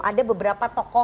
ada beberapa tokoh